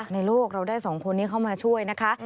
โลกเราได้๒คนนี้เข้ามาช่วยนะคะ